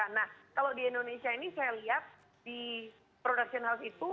nah kalau di indonesia ini saya lihat di production house itu